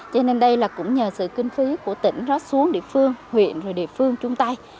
cho nên đây là cũng nhờ sự kinh phí của tỉnh rớt xuống địa phương huyện rồi địa phương chung tay